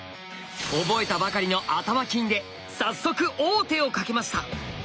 覚えたばかりの頭金で早速王手をかけました！